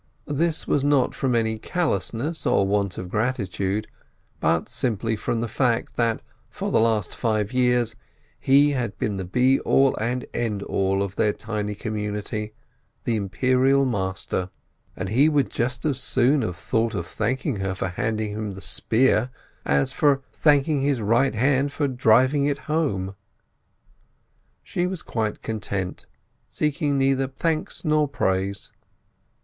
This was not from any callousness or want of gratitude, but simply from the fact that for the last five years he had been the be all and end all of their tiny community—the Imperial master. And he would just as soon have thought of thanking her for handing him the spear as of thanking his right hand for driving it home. She was quite content, seeking neither thanks nor praise.